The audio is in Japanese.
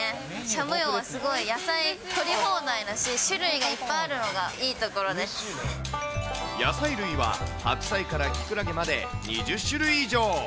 しゃぶ葉はすごい野菜取り放題だし、種類がいっぱいあるのがいい野菜類は白菜からキクラゲまで２０種類以上。